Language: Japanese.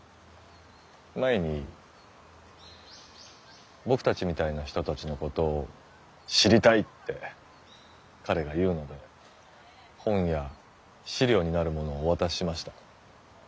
前に僕たちみたいな人たちのことを知りたいって彼が言うので本や資料になるものをお渡ししました。